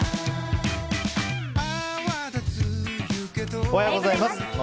おはようございます。